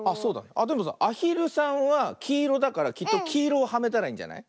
あっでもさアヒルさんはきいろだからきっときいろをはめたらいいんじゃない？